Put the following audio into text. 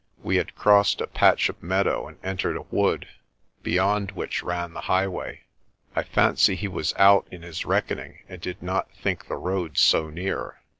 We had crossed a patch of meadow and entered a wood, beyond which ran the highway. I fancy he was out in his reckoning and did not think the road so near.